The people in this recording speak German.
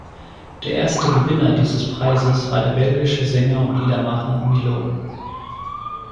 Der erste Gewinner dieses Preises war der belgische Sänger und Liedermacher Milow.